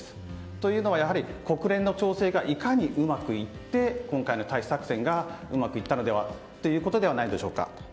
というのは、国連の調整がいかにうまくいって今回の退避作戦がうまくいったのではということではないでしょうか。